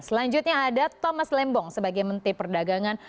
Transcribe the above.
selanjutnya ada thomas lembong sebagai menteri perdagangan